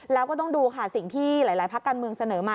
แล้วก็ต้องดูค่ะสิ่งที่หลายภาคการเมืองเสนอมา